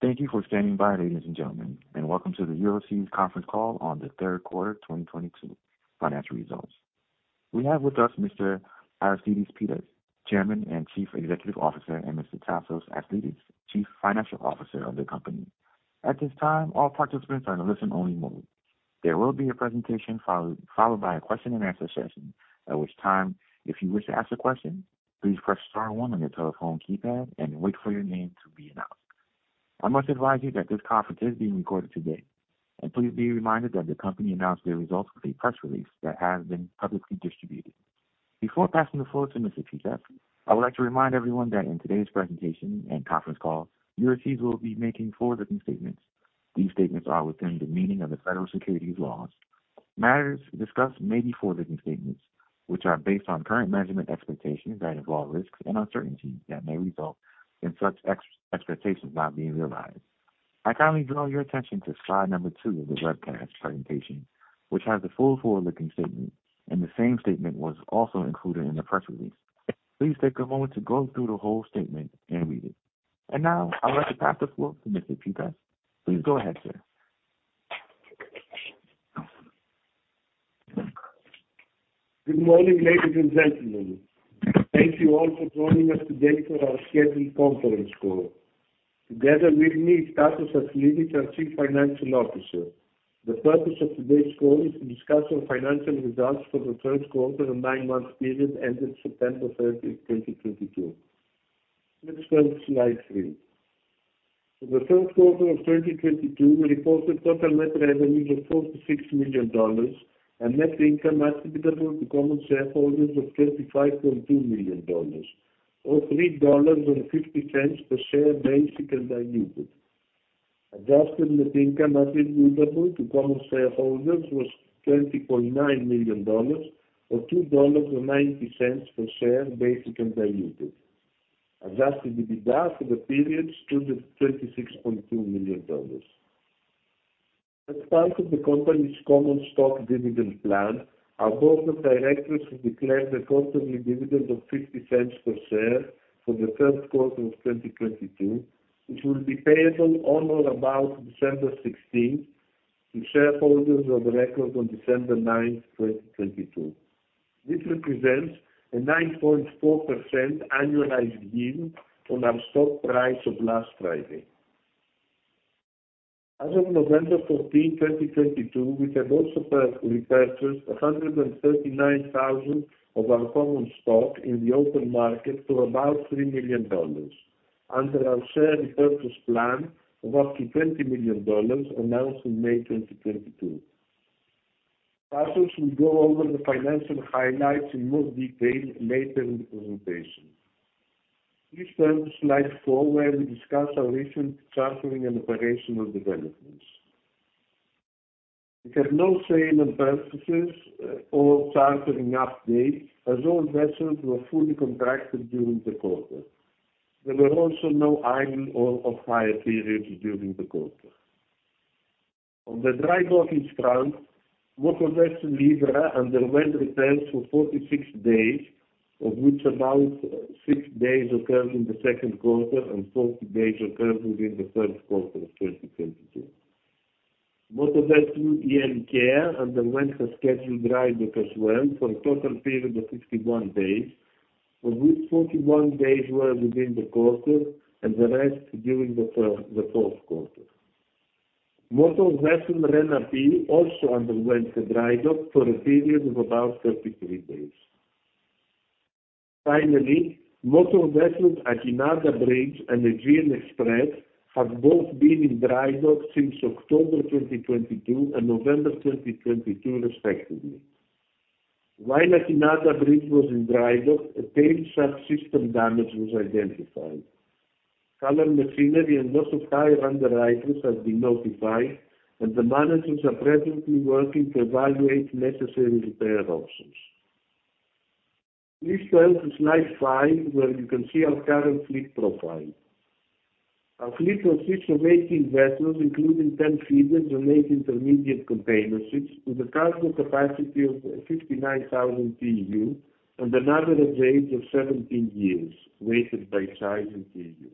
Thank you for standing by, ladies and gentlemen, and welcome to the Euroseas Conference Call on the third quarter 2022 financial results. We have with us Mr. Aristides Pittas, Chairman and Chief Executive Officer, and Mr. Anastasios Aslidis, Chief Financial Officer of the company. At this time, all participants are in a listen-only mode. There will be a presentation followed by a question and answer session. At which time, if you wish to ask a question, please press star one on your telephone keypad and wait for your name to be announced. I must advise you that this conference is being recorded today, and please be reminded that the company announced their results with a press release that has been publicly distributed. Before passing the floor to Mr. Pittas, I would like to remind everyone that in today's presentation and conference call, Euroseas will be making forward-looking statements. These statements are within the meaning of the federal securities laws. Matters discussed may be forward-looking statements, which are based on current management expectations that involve risks and uncertainties that may result in such expectations not being realized. I kindly draw your attention to slide number two of the webcast presentation, which has the full forward-looking statement, and the same statement was also included in the press release. Please take a moment to go through the whole statement and read it. Now I'd like to pass the floor to Mr. Pittas. Please go ahead, sir. Good morning, ladies and gentlemen. Thank you all for joining us today for our scheduled conference call. Together with me is Anastasios Aslidis, our Chief Financial Officer. The purpose of today's call is to discuss our financial results for the third quarter and nine-month period ended September 30, 2022. Let's go to slide three. For the third quarter of 2022, we reported total net revenues of $46 million and net income attributable to common shareholders of $35.2 million or $3.50 per share, basic and diluted. Adjusted net income attributable to common shareholders was $20.9 million or $2.90 per share, basic and diluted. Adjusted EBITDA for the period stood at $36.2 million. As part of the company's common stock dividend plan, our board of directors have declared a quarterly dividend of $0.50 per share for the third quarter of 2022, which will be payable on or about December 16 to shareholders of record on December 9, 2022. This represents a 9.4% annualized yield on our stock price of last Friday. As of November 14, 2022, we have also repurchased 139,000 of our common stock in the open market for about $3 million under our share repurchase plan of up to $20 million announced in May 2022. Tasos will go over the financial highlights in more detail later in the presentation. Please turn to slide four where we discuss our recent chartering and operational developments. We have no sale and purchases or chartering updates as all vessels were fully contracted during the quarter. There were also no idle or off-hire periods during the quarter. On the dry docking front, motor vessel Libra underwent repairs for 46 days, of which about six days occurred in the second quarter and 40 days occurred within the third quarter of 2022. Motor vessel EM KEA underwent a scheduled drydock as well for a total period of 61 days, of which 41 days were within the quarter and the rest during the fourth quarter. Motor vessel Rena P also underwent a drydock for a period of about 33 days. Finally, motor vessels Akinada Bridge and Aegean Express have both been in drydock since October 2022 and November 2022 respectively. While Akinada Bridge was in drydock, a tail shaft system damage was identified. Hull and machinery and loss of hire underwriters have been notified, and the managers are presently working to evaluate necessary repair options. Please turn to slide five, where you can see our current fleet profile. Our fleet consists of 18 vessels, including 10 feeders and eight intermediate container ships with a cargo capacity of 59,000 TEU and an average age of 17 years, weighted by size and TEU.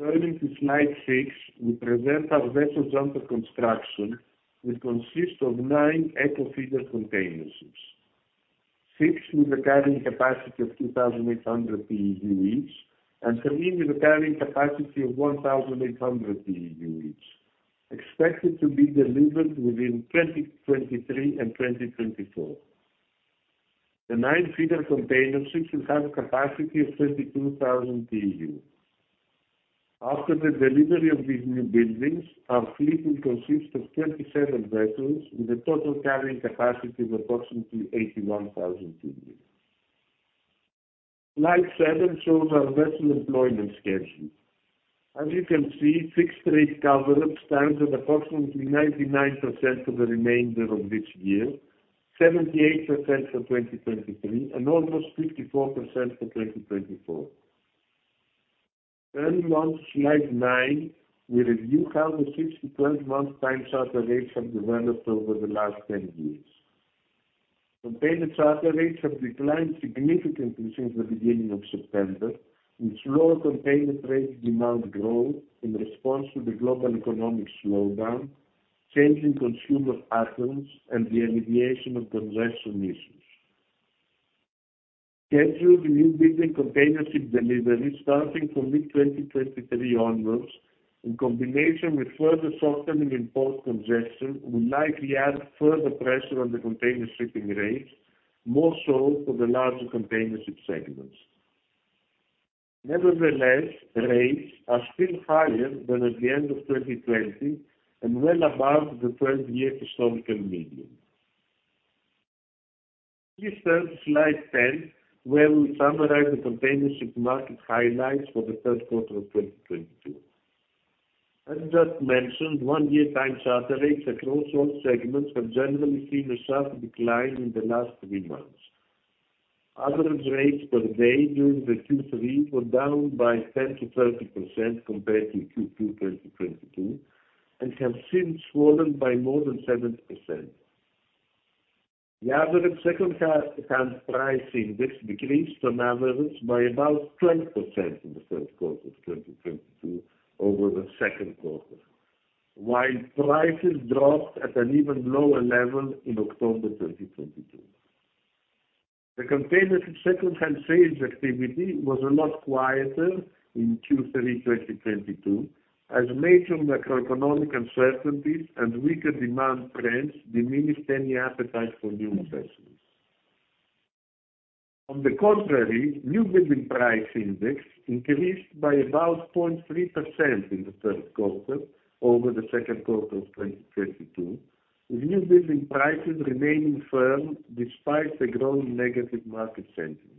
Turning to slide six, we present our vessels under construction, which consists of nine eco feeder container ships. Six with a carrying capacity of 2,800 TEU each and three with a carrying capacity of 1,800 TEU each, expected to be delivered within 2023 and 2024. The nine feeder container ships will have a capacity of 32,000 TEU. After the delivery of these newbuildings, our fleet will consist of 37 vessels with a total carrying capacity of approximately 81,000 TEU. Slide seven shows our vessel employment schedule. As you can see, fixed rate coverage stands at approximately 99% for the remainder of this year, 78% for 2023 and almost 54% for 2024. Turning to slide nine, we review how the six to 12 month time charter rates have developed over the last 10 years. Container charter rates have declined significantly since the beginning of September, with slower container trade demand growth in response to the global economic slowdown, changing consumer patterns, and the alleviation of congestion issues. Scheduled newbuilding containership deliveries starting from mid-2023 onwards, in combination with further softening import congestion, will likely add further pressure on the containership rates, more so for the larger containership segments. Nevertheless, rates are still higher than at the end of 2020 and well above the 12-year historical median. Please turn to slide 10, where we summarize the containership market highlights for the third quarter of 2022. As just mentioned, one-year time charter rates across all segments have generally seen a sharp decline in the last three months. Average rates per day during the Q3 were down by 10%-30% compared to Q2 2022, and have since fallen by more than 7%. The average secondhand price index decreased on average by about 20% in the third quarter of 2022 over the second quarter, while prices dropped at an even lower level in October 2022. The containership secondhand sales activity was a lot quieter in Q3 2022 as major macroeconomic uncertainties and weaker demand trends diminished any appetite for new investments. On the contrary, newbuilding price index increased by about 0.3% in the third quarter over the second quarter of 2022, with newbuilding prices remaining firm despite the growing negative market sentiment.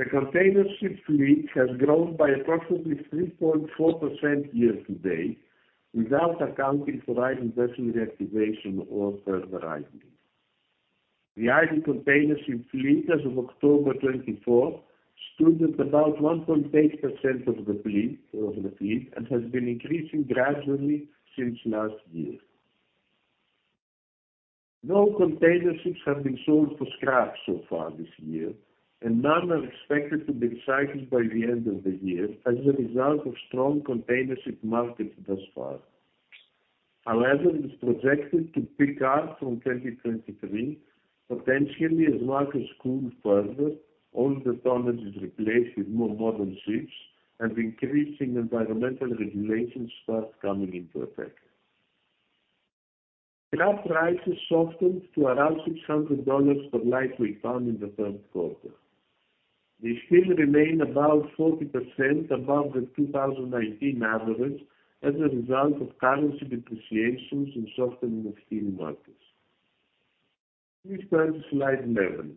The containership fleet has grown by approximately 3.4% year-to-date, without accounting for idle vessel reactivation or further idling. The idle containership fleet as of October 24th stood at about 1.8% of the fleet, and has been increasing gradually since last year. No containerships have been sold for scrap so far this year, and none are expected to be cycled by the end of the year as a result of strong containership market thus far. However, it is projected to pick up from 2023, potentially as markets cool further, older tonnage is replaced with more modern ships, and increasing environmental regulations start coming into effect. Scrap prices softened to around $600 per lightweight ton in the third quarter. They still remain about 40% above the 2019 average as a result of currency depreciations and softening of steel markets. Please turn to slide 11.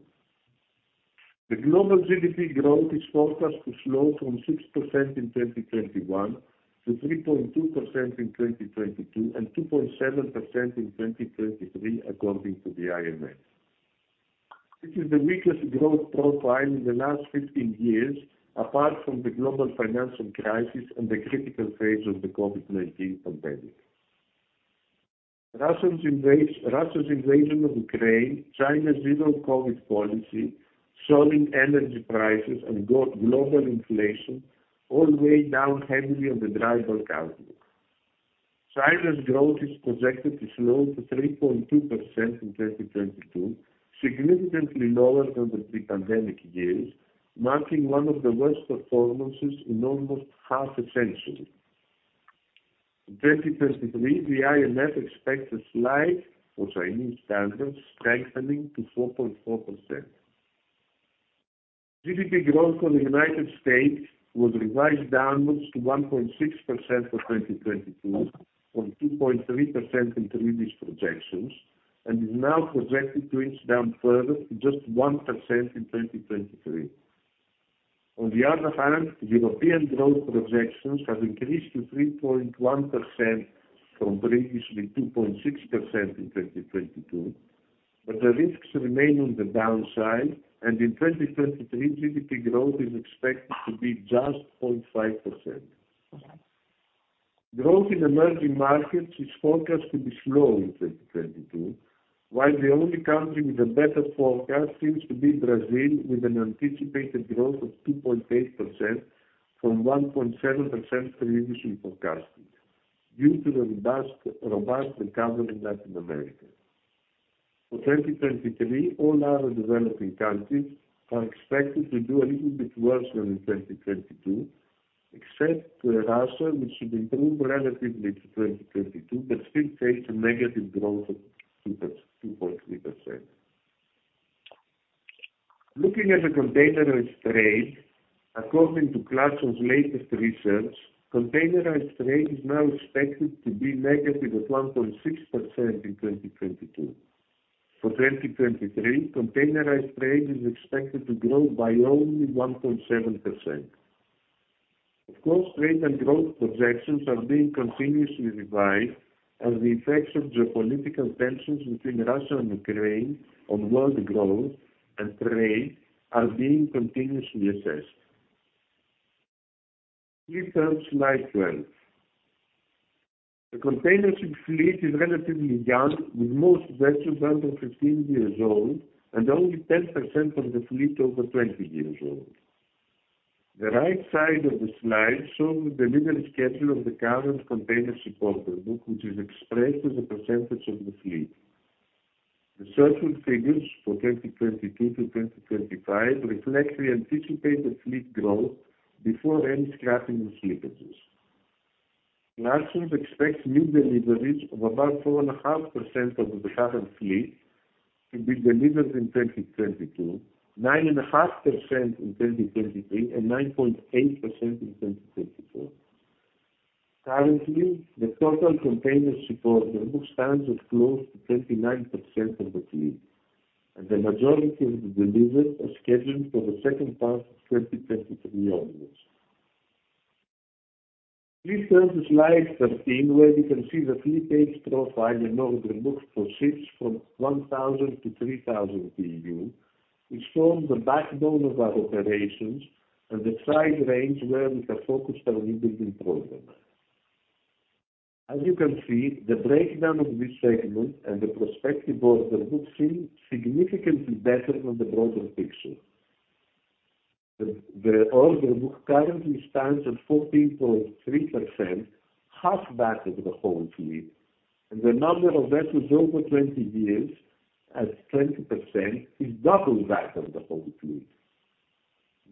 The global GDP growth is forecast to slow from 6% in 2021 to 3.2% in 2022, and 2.7% in 2023, according to the IMF. This is the weakest growth profile in the last 15 years, apart from the global financial crisis and the critical phase of the COVID-19 pandemic. Russia's invasion of Ukraine, China's zero-COVID policy, soaring energy prices, and global inflation all weigh down heavily on the global outlook. China's growth is projected to slow to 3.2% in 2022, significantly lower than the pre-pandemic years, marking one of the worst performances in almost half a century. In 2023, the IMF expects a slight, for Chinese standards, strengthening to 4.4%. GDP growth for the United States was revised downwards to 1.6% for 2022 from 2.3% in previous projections, and is now projected to inch down further to just 1% in 2023. On the other hand, European growth projections have increased to 3.1% from previously 2.6% in 2022, but the risks remain on the downside, and in 2023, GDP growth is expected to be just 0.5%. Growth in emerging markets is forecast to be slow in 2022, while the only country with a better forecast seems to be Brazil, with an anticipated growth of 2.8% from 1.7% previously forecasted due to the robust recovery in Latin America. For 2023, all other developing countries are expected to do a little bit worse than in 2022, except Russia, which should improve relatively to 2022 but still face a negative growth of 2%, 2.3%. Looking at the containerized trade, according to Clarksons' latest research, containerized trade is now expected to be negative at -1.6% in 2022. For 2023, containerized trade is expected to grow by only 1.7%. Of course, trade and growth projections are being continuously revised as the effects of geopolitical tensions between Russia and Ukraine on world growth and trade are being continuously assessed. Please turn to slide 12. The containership fleet is relatively young, with most vessels under 15 years old and only 10% of the fleet over 20 years old. The right side of the slide shows the delivery schedule of the current containership order book, which is expressed as a percentage of the fleet. The circular figures for 2022-2025 reflect the anticipated fleet growth before any scrapping or slippages. Marshals expects new deliveries of about 4.5% of the current fleet to be delivered in 2022, 9.5% in 2023, and 9.8% in 2024. Currently, the total containership order book stands at close to 29% of the fleet, and the majority of the deliveries are scheduled for the second half of 2023 onwards. Please turn to slide 13, where you can see the fleet age profile and order book for ships from 1,000-3,000 TEU, which form the backbone of our operations and the size range where we have focused our new building program. As you can see, the breakdown of this segment and the prospective order book seem significantly better than the broader picture. The order book currently stands at 14.3%, half that of the whole fleet, and the number of vessels over 20 years at 20% is double that of the whole fleet.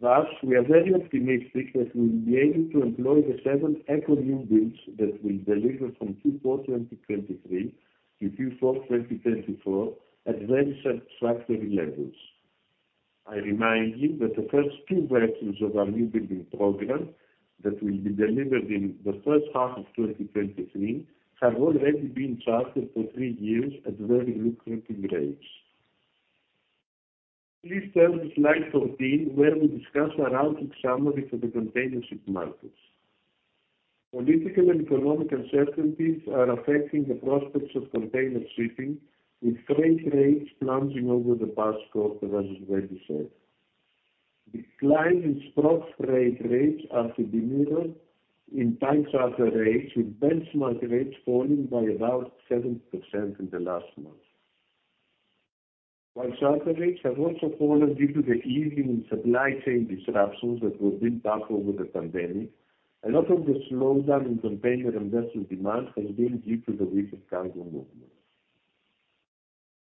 Thus, we are very optimistic that we will be able to employ the seven eco new builds that will deliver from Q4 2023-Q4 2024 at very satisfactory levels. I remind you that the first two vessels of our new building program that will be delivered in the first half of 2023 have already been chartered for three years at very lucrative rates. Please turn to slide 14, where we discuss our outlook summary for the containership markets. Political and economic uncertainties are affecting the prospects of container shipping, with freight rates plunging over the past quarter, as was already said. Decline in spot freight rates are to be mirrored in time charter rates, with benchmark rates falling by about 7% in the last month. While charter rates have also fallen due to the easing in supply chain disruptions that were built up over the pandemic, a lot of the slowdown in container and industrial demand has been due to the recent cargo movement.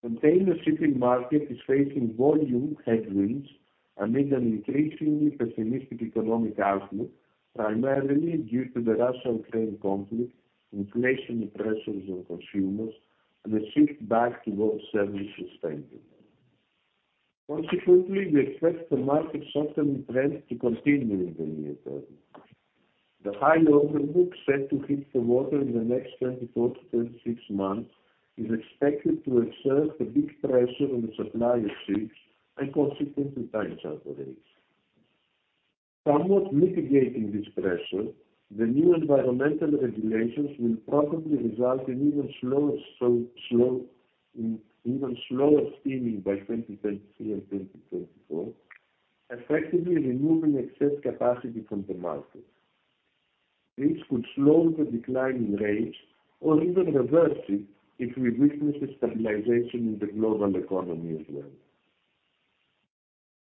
Container shipping market is facing volume headwinds amid an increasingly pessimistic economic outlook, primarily due to the Russia-Ukraine conflict, inflation pressures on consumers and a shift back towards service suspended. Consequently, we expect the market softening trend to continue in the near-term. The high order book set to hit the water in the next 24-26 months is expected to exert a big pressure on the supply of ships and consequently time charter rates. Somewhat mitigating this pressure, the new environmental regulations will probably result in even slower steaming by 2023 and 2024, effectively removing excess capacity from the market. This could slow the decline in rates or even reverse it if we witness a stabilization in the global economy as well.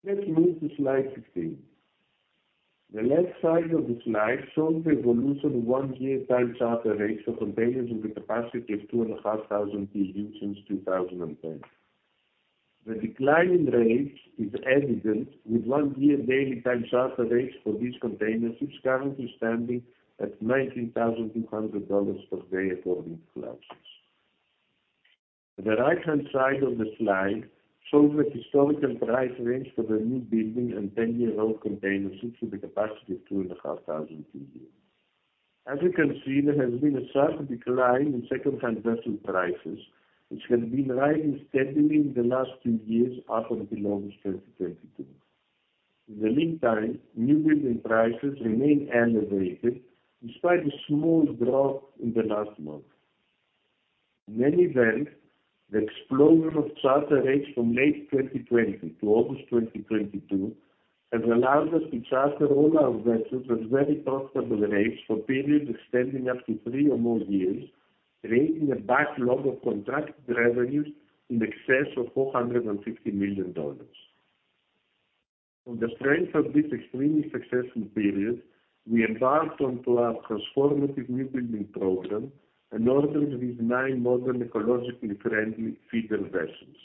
Let's move to slide 16. The left side of the slide shows the evolution of one-year time charter rates for containers with a capacity of 2,500 TEU since 2010. The decline in rates is evident with one-year daily time charter rates for these containerships currently standing at $19,200 per day, according to Clarksons. The right-hand side of the slide shows the historical price range for the newbuilding and 10-year-old containerships with a capacity of 2,500 TEU. As you can see, there has been a sharp decline in secondhand vessel prices, which have been rising steadily in the last two years up until August 2022. In the meantime, new building prices remain elevated despite a small drop in the last month. In any event, the explosion of charter rates from May 2020 to August 2022 has allowed us to charter all our vessels at very profitable rates for periods extending up to three or more years, creating a backlog of contracted revenues in excess of $450 million. From the strength of this extremely successful period, we embarked onto our transformative new building program and ordered these nine modern ecologically friendly feeder vessels,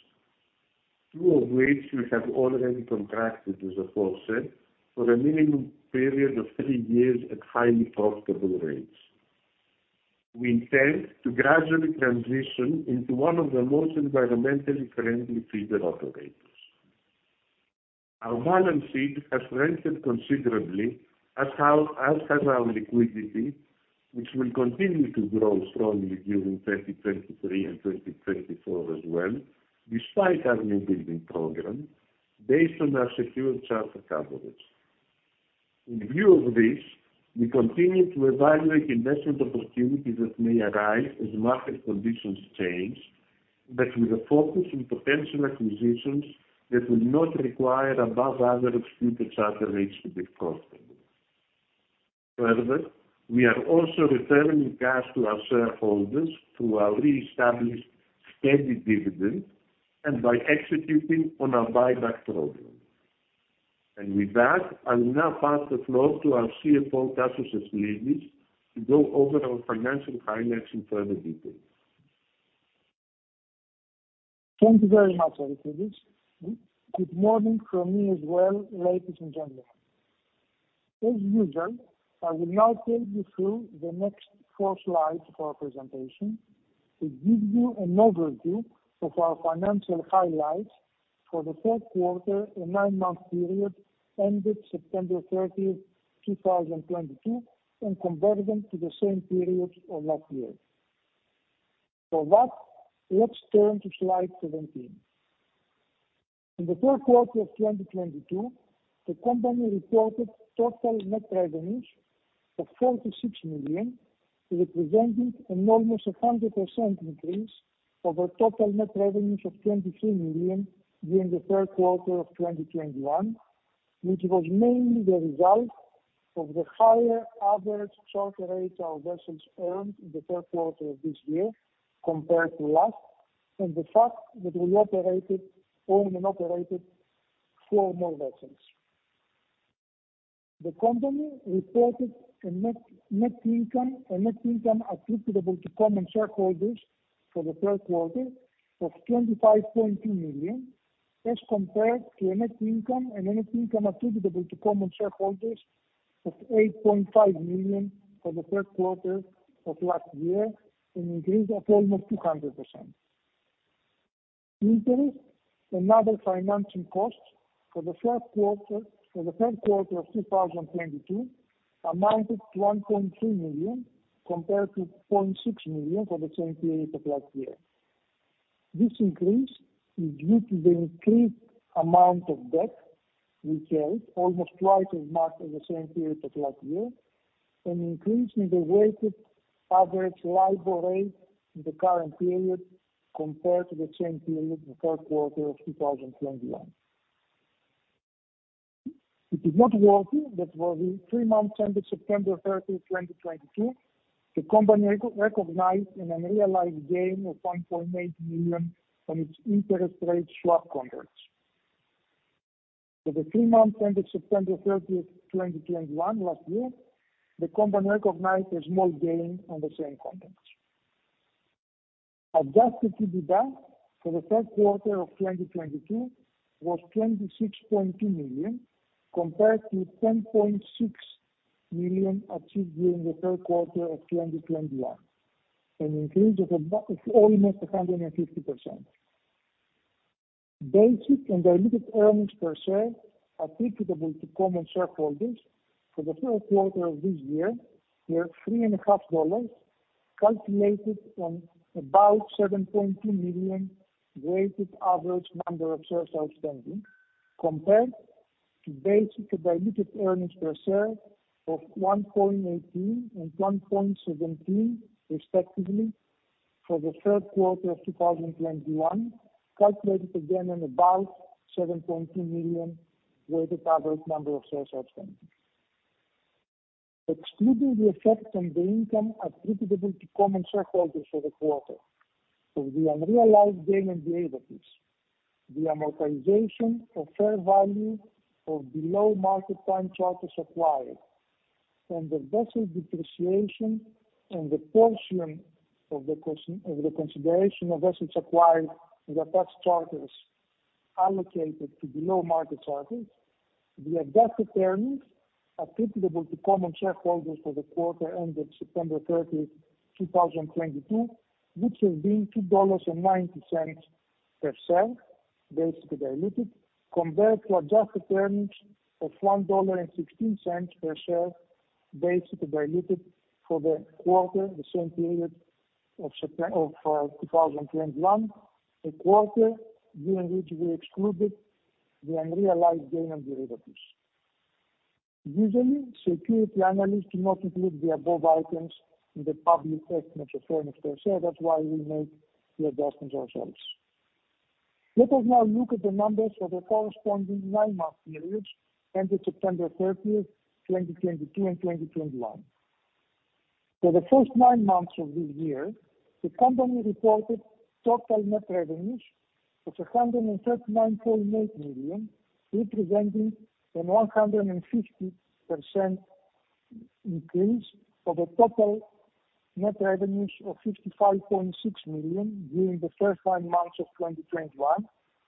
two of which we have already contracted, as aforesaid, for a minimum period of three years at highly profitable rates. We intend to gradually transition into one of the most environmentally friendly feeder operators. Our balance sheet has strengthened considerably, as has our liquidity, which will continue to grow strongly during 2023 and 2024 as well, despite our new building program based on our secure charter coverage. In view of this, we continue to evaluate investment opportunities that may arise as market conditions change. With a focus on potential acquisitions that will not require above average future charter rates to be profitable. Further, we are also returning cash to our shareholders through our reestablished steady dividend and by executing on our buyback program. With that, I will now pass the floor to our CFO, Anastasios Aslidis, to go over our financial highlights in further detail. Thank you very much, Aristides. Good morning from me as well, ladies and gentlemen. As usual, I will now take you through the next four slides of our presentation to give you an overview of our financial highlights for the third quarter and nine-month period ended September 30, 2022, and compare them to the same period of last year. For that, let's turn to slide 17. In the third quarter of 2022, the company reported total net revenues of $46 million, representing an almost 100% increase over total net revenues of $23 million during the third quarter of 2021, which was mainly the result of the higher average charter rate our vessels earned in the third quarter of this year compared to last, and the fact that we owned and operated four more vessels. The company reported a net income attributable to common shareholders for the third quarter of $25.2 million, as compared to a net income attributable to common shareholders of $8.5 million for the third quarter of last year, an increase of almost 200%. Interest and other financing costs for the third quarter of 2022 amounted to $1.2 million, compared to $0.6 million for the same period of last year. This increase is due to the increased amount of debt we carried, almost twice as much as the same period of last year, an increase in the weighted average LIBOR rate in the current period compared to the same period in the third quarter of 2021. It is noteworthy that for the three months ended September 30, 2022, the company recognized an unrealized gain of $1.8 million from its interest rate swap contracts. For the three months ended September 30, 2021 last year, the company recognized a small gain on the same contracts. Adjusted EBITDA for the third quarter of 2022 was $26.2 million, compared to $10.6 million achieved during the third quarter of 2021, an increase of almost 150%. Basic and diluted earnings per share attributable to common shareholders for the third quarter of this year were $3 and a half, calculated on about 7.2 million weighted average number of shares outstanding, compared to basic and diluted earnings per share of $1.18 and $1.17 respectively for the third quarter of 2021, calculated again on about 7.2 million weighted average number of shares outstanding. Excluding the effect on the income attributable to common shareholders for the quarter of the unrealized gain on derivatives, the amortization of fair value of below market time charters acquired, and the vessel depreciation and the portion of the consideration of assets acquired in the attached charters allocated to below market charters, the adjusted earnings attributable to common shareholders for the quarter ended September 30, 2022, which would be $2.90 per share, basic and diluted, compared to adjusted earnings of $1.16 per share basic and diluted for the quarter, the same period of September of 2021, a quarter during which we excluded the unrealized gain on derivatives. Usually, securities analysts do not include the above items in the public estimates of earnings per share. That's why we make the adjustments ourselves. Let us now look at the numbers for the corresponding nine-month periods ended September 30th, 2022 and 2021. For the first nine months of this year, the company reported total net revenues of $139.8 million, representing a 150% increase over total net revenues of $55.6 million during the first nine months of 2021.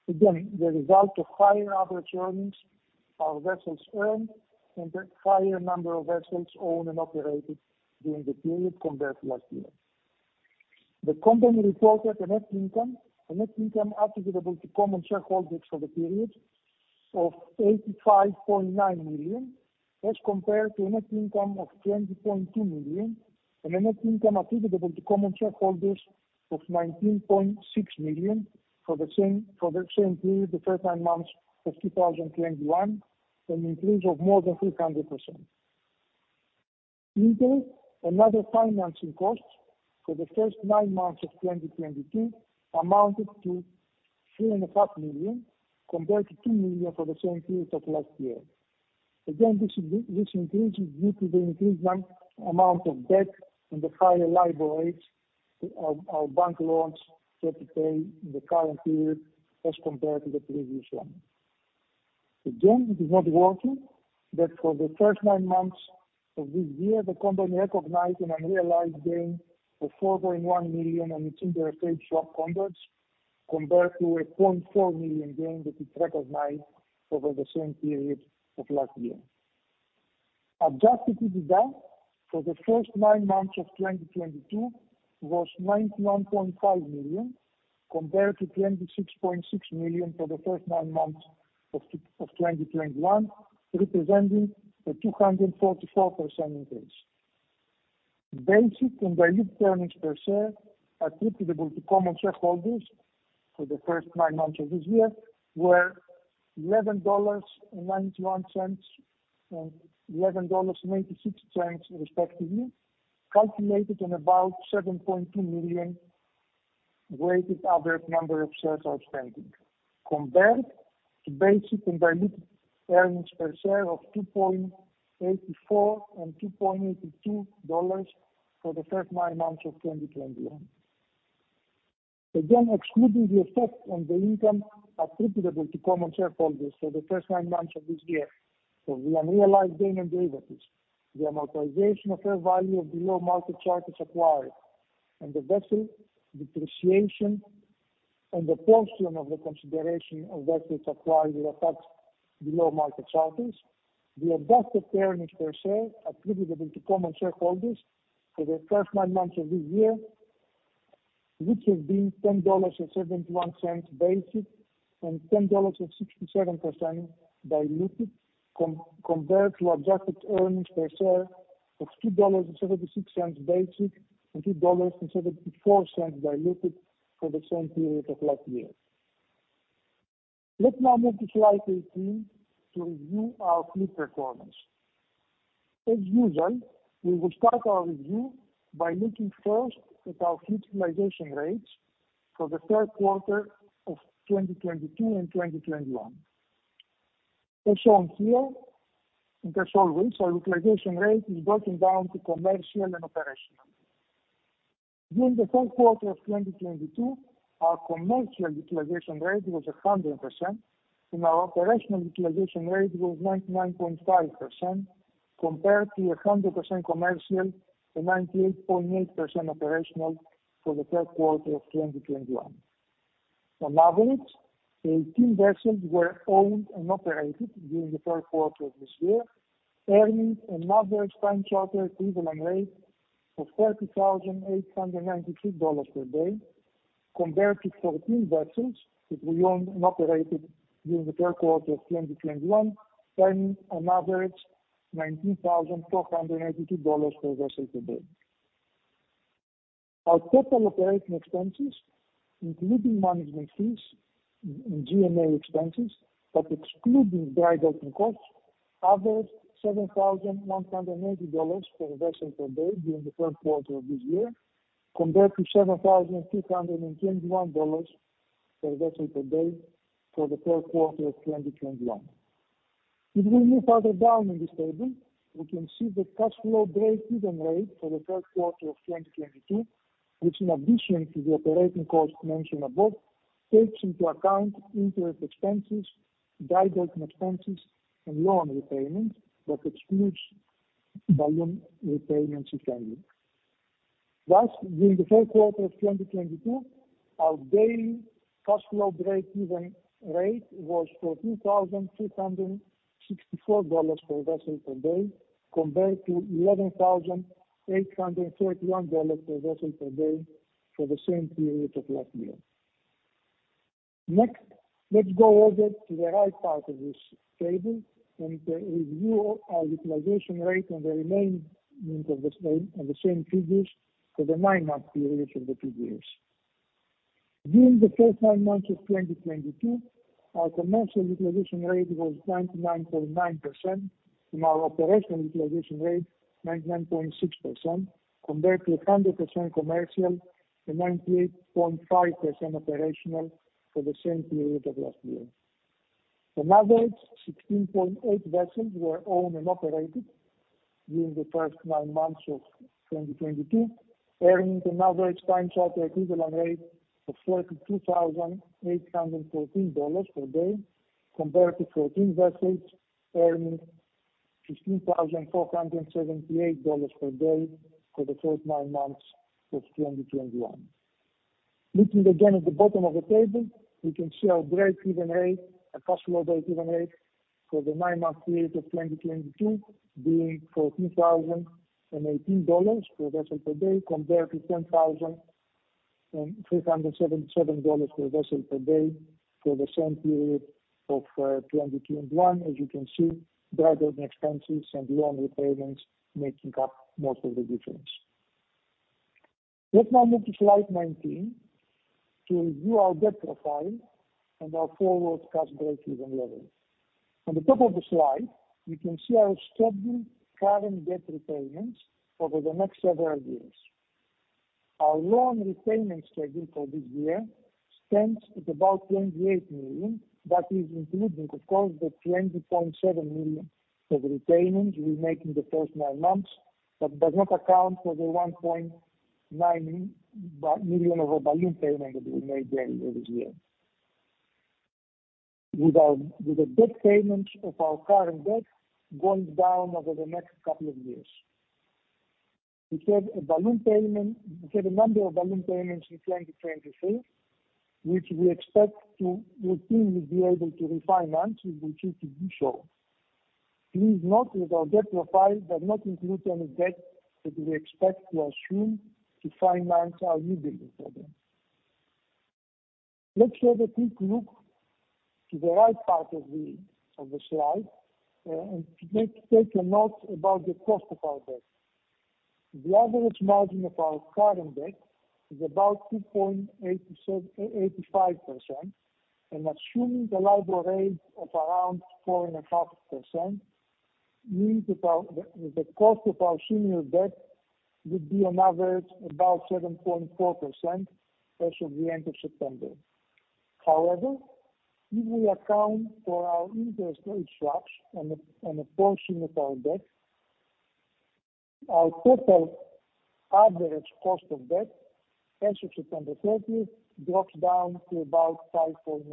Again, the result of higher average earnings our vessels earned and the higher number of vessels owned and operated during the period compared to last year. The company reported a net income attributable to common shareholders for the period of $85.9 million, as compared to a net income of $20.2 million and a net income attributable to common shareholders of $19.6 million for the same period, the first nine months of 2021, an increase of more than 300%. Interest and other financing costs for the first nine months of 2022 amounted to $3.5 million, compared to $2 million for the same period of last year. Again, this increase is due to the increased amount of debt and the higher LIBOR rates of our bank loans set to pay in the current period as compared to the previous one. Again, it is not working, but for the first nine months of this year, the company recognized an unrealized gain of $4.1 million on its interest rate swap contracts, compared to a $0.4 million gain that it recognized over the same period of last year. Adjusted EBITDA for the first nine months of 2022 was $91.5 million, compared to $26.6 million for the first nine months of 2021, representing a 244% increase. Basic and diluted earnings per share attributable to common shareholders for the first nine months of this year were $11.91 and $11.96 respectively, calculated on about 7.2 million weighted average number of shares outstanding compared to basic and diluted earnings per share of $2.84 and $2.82 for the first nine months of 2021. Again, excluding the effect on the income attributable to common shareholders for the first nine months of this year for the unrealized gain on derivatives, the amortization of fair value of below market charters acquired, and the vessel depreciation and the portion of the consideration of vessels acquired with attached below market charters, the adjusted earnings per share attributable to common shareholders for the first nine months of this year, which has been $10.71 basic and $10.67 diluted, compared to adjusted earnings per share of $2.76 basic and $2.74 diluted for the same period of last year. Let's now move to slide 18 to review our fleet performance. As usual, we will start our review by looking first at our fleet utilization rates for the third quarter of 2022 and 2021. As shown here and as always, our utilization rate is broken down to commercial and operational. During the third quarter of 2022, our commercial utilization rate was 100% and our operational utilization rate was 99.5% compared to 100% commercial and 98.8% operational for the third quarter of 2021. On average, 18 vessels were owned and operated during the third quarter of this year, earning an average time charter equivalent rate of $30,896 per day, compared to 14 vessels that we owned and operated during the third quarter of 2021, earning an average $19,482 per vessel per day. Our total operating expenses, including management fees and G&A expenses, but excluding drydocking costs, averaged $7,180 per vessel per day during the third quarter of this year, compared to $7,221 per vessel per day for the third quarter of 2021. If we move further down in this table, we can see the cash flow breakeven rate for the third quarter of 2022, which in addition to the operating costs mentioned above, takes into account interest expenses, drydocking expenses and loan repayments that excludes balloon repayments if any. Thus, during the third quarter of 2022, our daily cash flow breakeven rate was $14,364 per vessel per day, compared to $11,831 per vessel per day for the same period of last year. Next, let's go over to the right part of this table and review our utilization rate and the remaining of the same, on the same figures for the nine-month periods of the two years. During the first nine months of 2022, our commercial utilization rate was 99.9% and our operational utilization rate 99.6% compared to 100% commercial and 98.5% operational for the same period of last year. On average, 16.8 vessels were owned and operated during the first nine months of 2022, earning an average time charter equivalent rate of $32,814 per day, compared to 14 vessels earning $16,478 per day for the first nine months of 2021. Looking again at the bottom of the table, we can see our breakeven rate, our cash flow breakeven rate for the nine-month period of 2022 being $14,018 per vessel per day, compared to $10,377 per vessel per day for the same period of 2021. As you can see, drydocking expenses and loan repayments making up most of the difference. Let's now move to slide 19 to review our debt profile and our forward cash breakeven levels. On the top of the slide, you can see our scheduled current debt repayments over the next several years. Our loan repayment schedule for this year stands at about $28 million. That is including, of course, the $20.7 million of repayments we make in the first nine months, but does not account for the $1.9 million of our balloon payment that we made earlier this year. With our debt payments of our current debt going down over the next couple of years. We have a balloon payment. We have a number of balloon payments in 2023, which we expect to routinely be able to refinance if we choose to do so. Please note that our debt profile does not include any debt that we expect to assume to finance our newbuilding program. Let's have a quick look to the right part of the slide and to take a note about the cost of our debt. The average margin of our current debt is about 2.875% and assuming the LIBOR rate of around 4.5%, meaning the cost of our senior debt would be on average about 7.4% as of the end of September. However, if we account for our interest rate swaps and a portion of our debt, our total average cost of debt as of September thirtieth drops down to about 5.9%.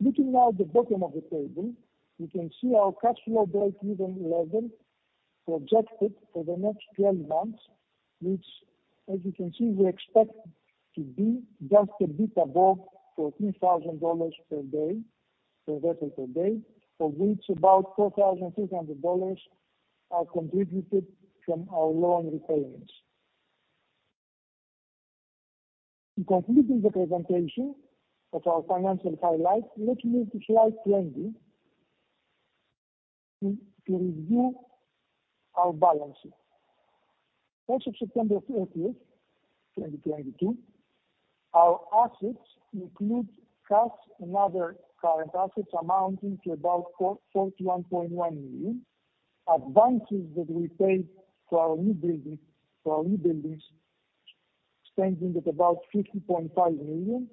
Looking now at the bottom of the table, you can see our cash flow breakeven level projected for the next 12 months which, as you can see, we expect to be just a bit above $14,000 per day per vessel per day, of which about $4,300 are contributed from our loan repayments. To conclude the presentation of our financial highlights, let's move to slide 20 to review our balance sheet. As of September 30, 2022, our assets include cash and other current assets amounting to about $41.1 million. Advances that we paid for our newbuilding, for our newbuildings standing at about $50.5 million.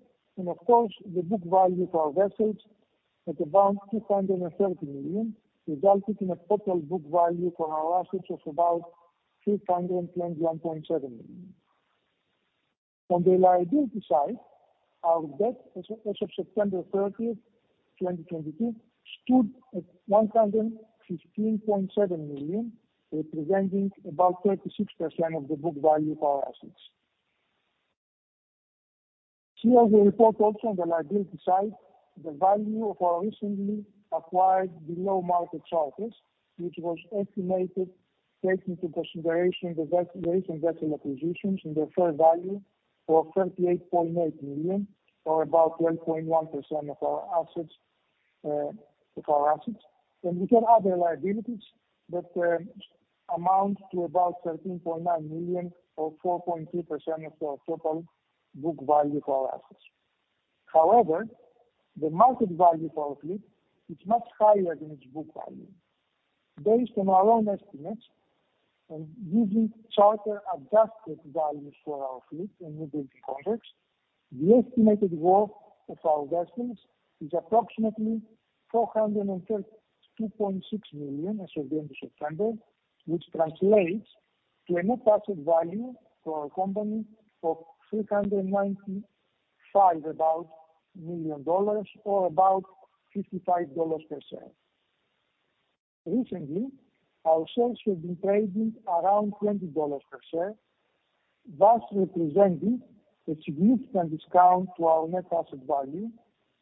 Of course, the book value for our vessels at about $230 million resulted in a total book value for our assets of about $621.7 million. On the liability side, our debt as of September 30, 2022, stood at $115.7 million, representing about 36% of the book value of our assets. In the report also on the liability side, the value of our recently acquired below market charters, which was estimated taking into consideration the recent vessel acquisitions and their fair value for $38.8 million, or about 12.1% of our assets. We have other liabilities that amount to about $13.9 million or 4.2% of our total book value for our assets. However, the market value for our fleet is much higher than its book value. Based on our own estimates and using charter adjusted values for our fleet and newbuilding contracts, the estimated worth of our vessels is approximately $432.6 million as of the end of September, which translates to a net asset value for our company of $395 million or about $55 per share. Recently, our shares have been trading around $20 per share, thus representing a significant discount to our net asset value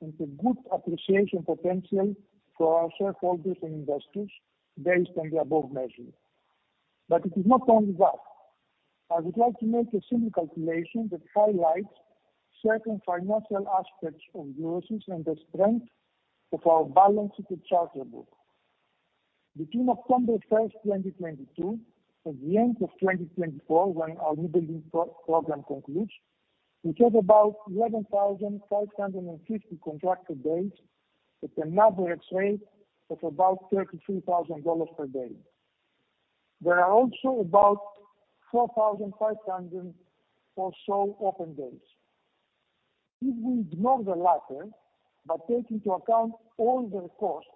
and a good appreciation potential for our shareholders and investors based on the above measure. It is not only that. I would like to make a simple calculation that highlights certain financial aspects of Euroseas and the strength of our balance sheet charter book. Between October 1, 2022, and the end of 2024 when our newbuilding program concludes, we have about 11,550 contracted days at an average rate of about $33,000 per day. There are also about 4,500 or so open days. If we ignore the latter, but take into account all the costs,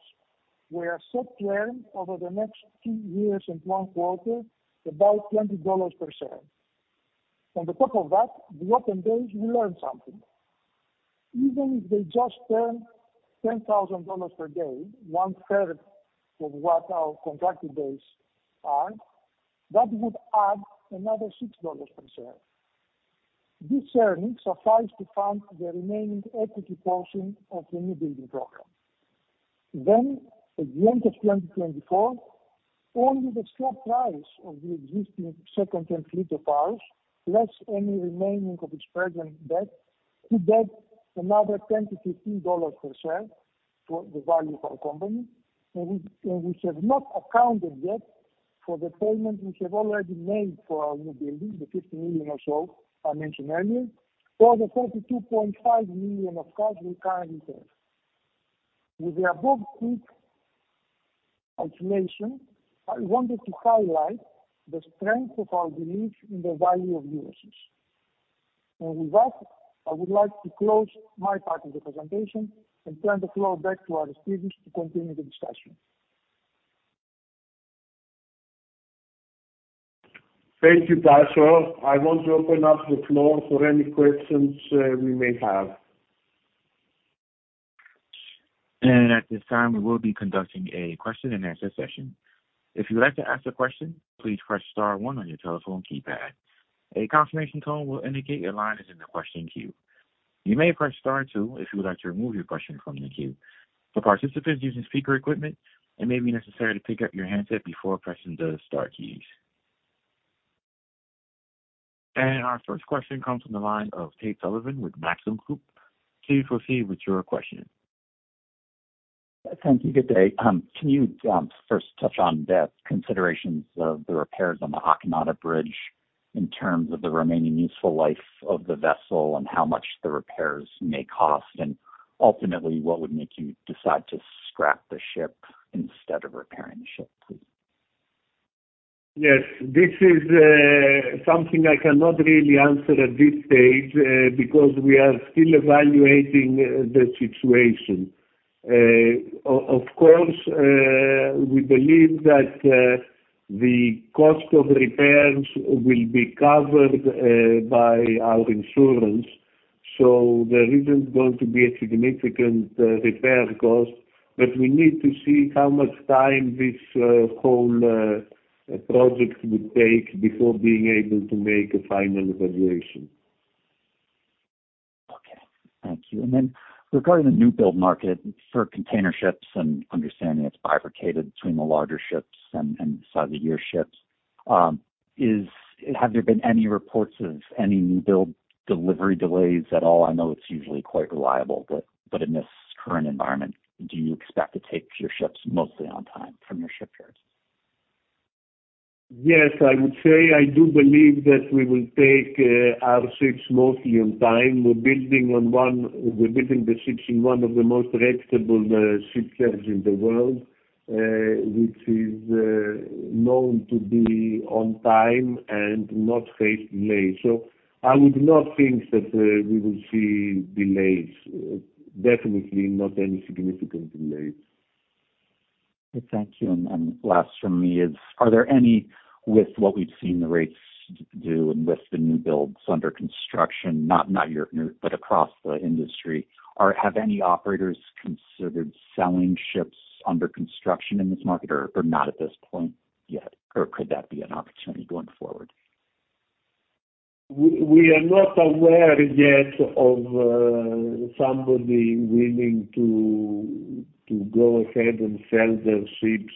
we are set to earn over the next two years and one quarter about $20 per share. On top of that, the open days will earn something. Even if they just earn $10,000 per day, one third of what our contracted days earn, that would add another $6 per share. This earnings suffice to fund the remaining equity portion of the newbuilding program. At the end of 2024, only the scrap price of the existing second-hand fleet of ours, less any remaining of its present debt could add another $10-$15 per share. For the value of our company. We have not accounted yet for the payment we have already made for our new building, the $50 million or so I mentioned earlier. For the $32.5 million of cash we currently have. With the above quick information, I wanted to highlight the strength of our belief in the value of Euroseas. With that, I would like to close my part of the presentation and turn the floor back to our speakers to continue the discussion. Thank you, Tasios. I want to open up the floor for any questions we may have. At this time, we will be conducting a question-and-answer session. If you would like to ask a question, please press star one on your telephone keypad. A confirmation tone will indicate your line is in the question queue. You may press star two if you would like to remove your question from the queue. For participants using speaker equipment, it may be necessary to pick up your handset before pressing the star keys. Our first question comes from the line of Tate Sullivan with Maxim Group. Please proceed with your question. Thank you. Good day. Can you first touch on the considerations of the repairs on the Akinada Bridge in terms of the remaining useful life of the vessel and how much the repairs may cost? Ultimately, what would make you decide to scrap the ship instead of repairing the ship, please? Yes. This is something I cannot really answer at this stage, because we are still evaluating the situation. Of course, we believe that the cost of repairs will be covered by our insurance, so there isn't going to be a significant repair cost. We need to see how much time this whole project would take before being able to make a final evaluation. Okay. Thank you. Then regarding the new build market for container ships and understanding it's bifurcated between the larger ships and size of your ships, have there been any reports of any new build delivery delays at all? I know it's usually quite reliable, but in this current environment, do you expect to take your ships mostly on time from your shipyards? Yes. I would say I do believe that we will take our ships mostly on time. We're building the ships in one of the most reputable shipyards in the world, which is known to be on time and not face delays. I would not think that we will see delays. Definitely not any significant delays. Thank you. Last from me, are there any with what we've seen the rates do and with the new builds under construction, not your new but across the industry? Have any operators considered selling ships under construction in this market or not at this point yet? Could that be an opportunity going forward? We are not aware yet of somebody willing to go ahead and sell their ships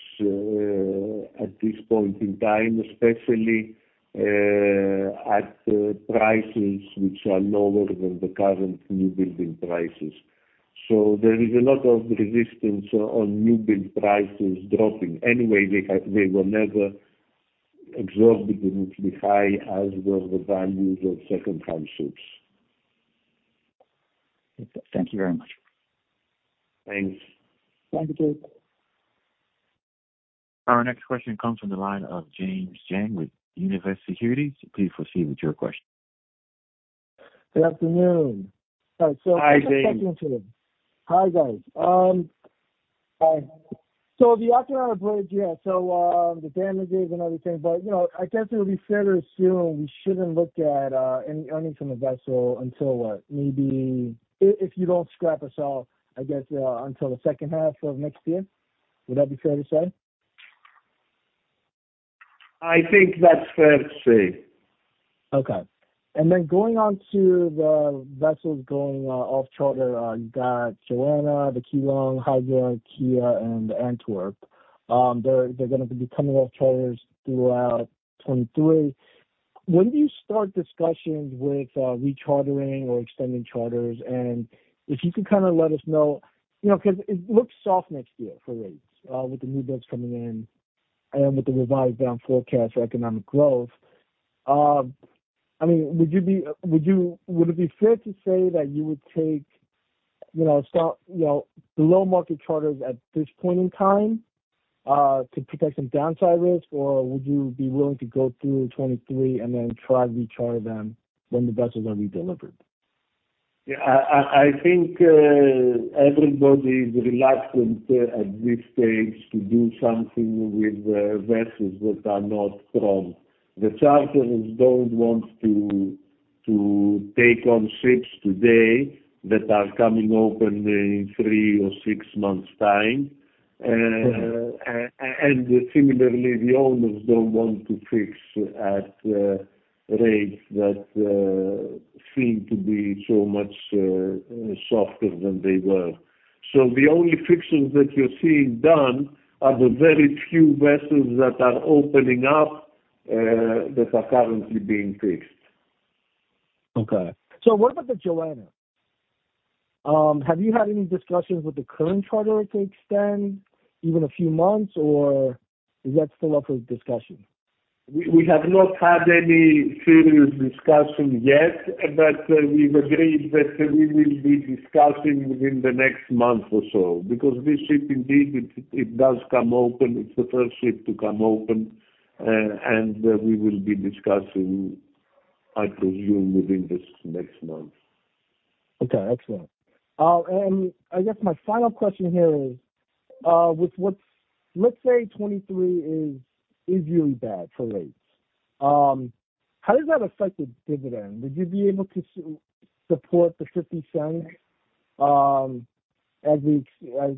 at this point in time, especially at prices which are lower than the current newbuilding prices. There is a lot of resistance on newbuilding prices dropping. Anyway, they were never exorbitantly high as were the values of second-hand ships. Thank you very much. Thanks. Thank you. Our next question comes from the line of James Jang with Univest Securities. Please proceed with your question. Good afternoon. Hi, James. Hi, guys. The Akinada Bridge, the damages and everything, but, you know, I guess it would be fair to assume we shouldn't look at any earnings from the vessel until what? Maybe if you don't scrap us all, I guess, until the second half of next year, would that be fair to say? I think that's fair to say. Going on to the vessels going off charter, you got Joanna, Synergy Keelung, EM Hydra, Evridiki G and Synergy Antwerp. They're gonna be coming off charters throughout 2023. When do you start discussions with rechartering or extending charters? And if you could kinda let us know, you know, 'cause it looks soft next year for rates, with the new builds coming in and with the revised down forecast for economic growth. I mean, would it be fair to say that you would take, you know, spot, you know, below market charters at this point in time, to protect some downside risk? Or would you be willing to go through 2023 and then try to recharter them when the vessels are redelivered? Yeah, I think everybody is reluctant at this stage to do something with vessels that are not strong. The charters don't want to take on ships today that are coming open in three or six months' time. Similarly, the owners don't want to fix at rates that seem to be so much softer than they were. The only fixings that you're seeing done are the very few vessels that are opening up that are currently being fixed. What about the Joanna? Have you had any discussions with the current charter to extend even a few months or is that still up for discussion? We have not had any serious discussion yet, but we've agreed that we will be discussing within the next month or so. Because this ship indeed does come open. It's the first ship to come open. We will be discussing, I presume, within this next month. Okay. Excellent. I guess my final question here is, let's say 2023 is really bad for rates. How does that affect the dividend? Would you be able to support the $0.50,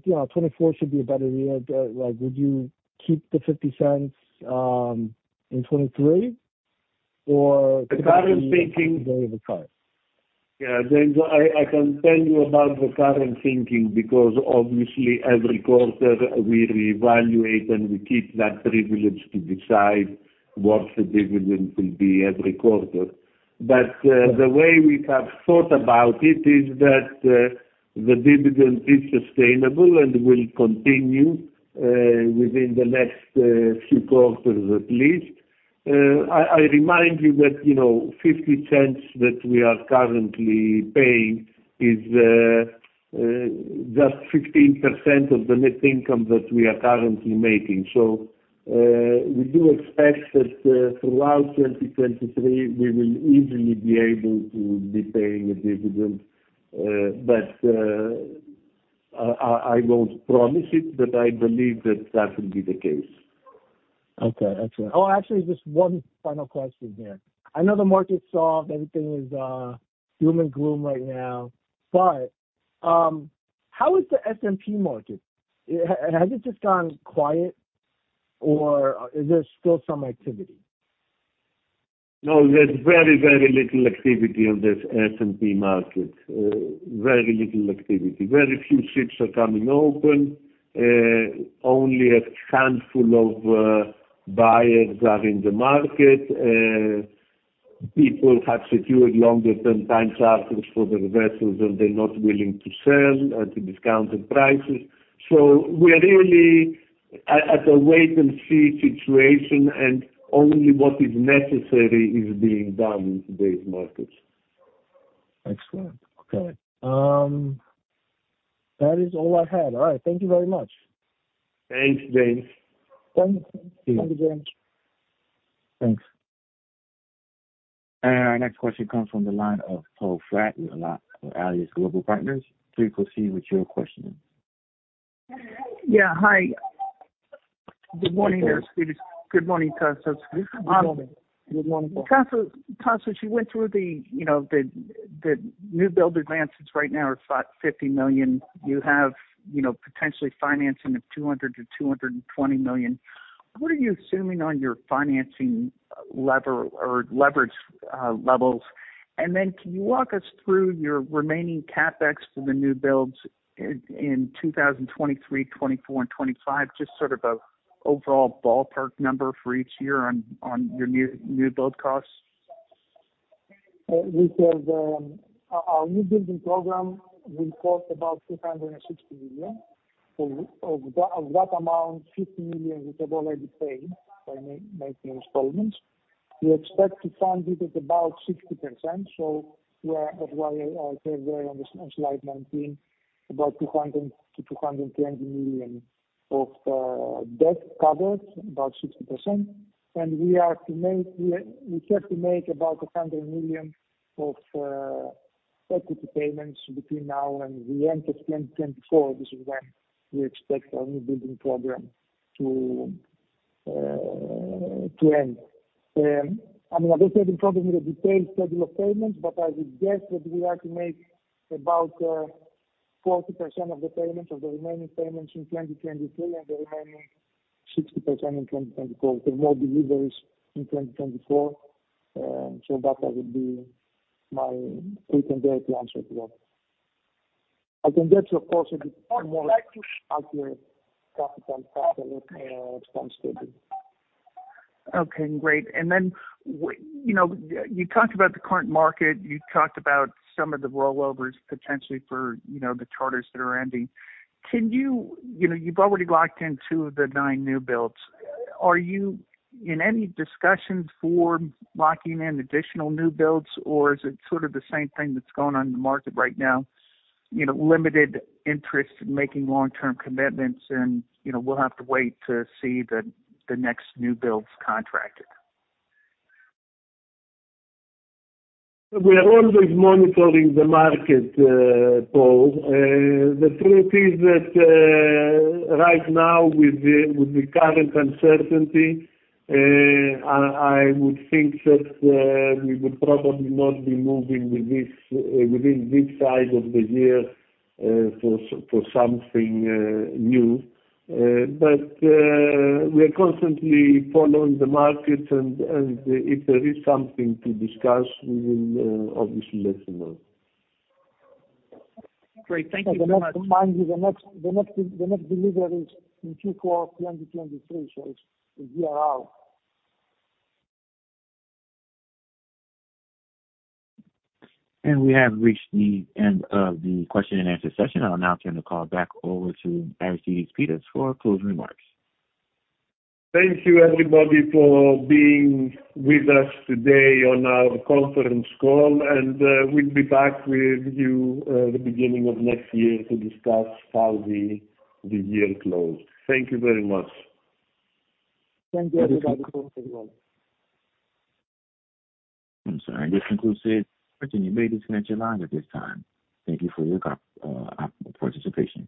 you know, 2024 should be a better year. Like would you keep the $0.50 in 2023 or- Yeah. James, I can tell you about the current thinking because obviously every quarter we reevaluate and we keep that privilege to decide what the dividend will be every quarter. The way we have thought about it is that, the dividend is sustainable and will continue within the next few quarters at least. I remind you that, you know, $0.50 that we are currently paying is just 15% of the net income that we are currently making. We do expect that throughout 2023 we will easily be able to be paying a dividend. I won't promise it, but I believe that that will be the case. Okay. Excellent. Oh, actually just one final question here. I know the market's soft, everything is doom and gloom right now. How is the S&P market? Has it just gone quiet or is there still some activity? No, there's very, very little activity on this S&P market. Very little activity. Very few ships are coming open. Only a handful of buyers are in the market. People have secured longer-term time charters for their vessels and they're not willing to sell at the discounted prices. We're really at a wait and see situation and only what is necessary is being done in today's markets. Excellent. Okay. That is all I had. All right. Thank you very much. Thanks, James. Thanks. Thank you, James. Thanks. Our next question comes from the line of Poe Fratt with Alliance Global Partners. Please proceed with your questioning. Yeah. Hi. Good morning, Aristides. Good morning, Anastasios. Good morning. Good morning, Poe. Tasios, you went through the, you know, the new build advances right now are $50 million. You have, you know, potentially financing of $200 million-$220 million. What are you assuming on your financing lever or leverage levels? Can you walk us through your remaining CapEx for the new builds in 2023, 2024 and 2025? Just sort of a overall ballpark number for each year on your new build costs. We said our new building program will cost about $260 million. Of that amount, $50 million we have already paid by making installments. We expect to fund it at about 60%, so we are on slide 19, about $200-$220 million of debt covered, about 60%. We have to make about $100 million of equity payments between now and the end of 2024. This is when we expect our new building program to end. I mean, I don't have a problem with a detailed schedule of payments, but I would guess that we are to make about 40% of the payments of the remaining payments in 2023 and the remaining 60% in 2024. There are more deliveries in 2024, so that would be my take or rather to answer as well. I can get you of course a bit more accurate CapEx time schedule. Okay, great. You know, you talked about the current market, you talked about some of the rollovers potentially for, you know, the charters that are ending. Can you. You know, you've already locked in two of the nine new builds. Are you in any discussions for locking in additional new builds or is it sort of the same thing that's going on in the market right now? You know, limited interest in making long-term commitments and, you know, we'll have to wait to see the next new builds contracted. We are always monitoring the market, Poe. The truth is that right now with the current uncertainty, I would think that we would probably not be moving with this within this side of the year for something new. We are constantly following the markets and if there is something to discuss we will obviously let you know. Great. Thank you very much. Remind you the next delivery is in Q4 of 2023, so it's a year out. We have reached the end of the question and answer session. I'll now turn the call back over to Aristides Pittas for closing remarks. Thank you everybody for being with us today on our conference call, and we'll be back with you the beginning of next year to discuss how the year closed. Thank you very much. Thank you everybody. I'm sorry. This concludes it. You may disconnect your lines at this time. Thank you for your participation.